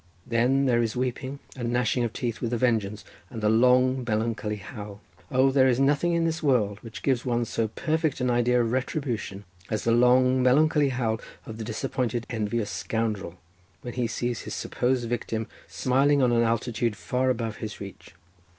Then there is weeping, and gnashing of teeth with a vengeance, and the long melancholy howl. O, there is nothing in this world which gives one so perfect an idea of retribution as the long melancholy howl of the disappointed envious scoundrel when he sees his supposed victim smiling on an altitude far above his reach."